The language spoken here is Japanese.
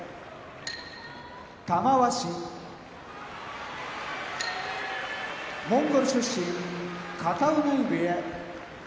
玉鷲モンゴル出身片男波部屋